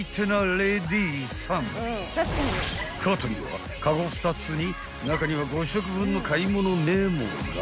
［カートにはカゴ２つに中には５食分の買い物メモが］